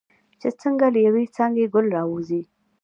چې څنګه له یوې څانګې ګل راوځي.